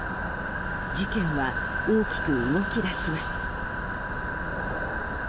事件は大きく動き出します。